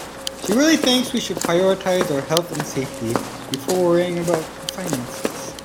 She really thinks we should prioritize our health and safety before worrying the finances.